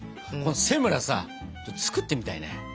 セムラさ作ってみたいね。